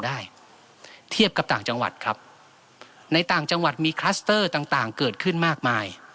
เทียบกับต่างจังหวัดครับในต่างจังหวัดมีคลัสเตอร์ต่างต่างเกิดขึ้นมากมาย